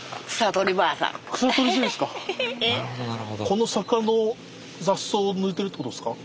この坂の雑草を抜いてるってことですか？